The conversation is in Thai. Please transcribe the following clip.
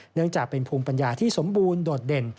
เนื่องจากเป็นภูมิปัญญาที่สมบูรณ์โดดเด่น